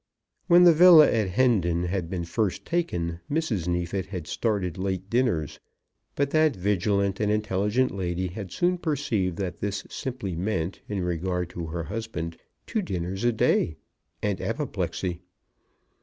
When the villa at Hendon had been first taken Mrs. Neefit had started late dinners; but that vigilant and intelligent lady had soon perceived that this simply meant, in regard to her husband, two dinners a day, and apoplexy.